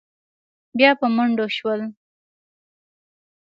بيا په منډو شول.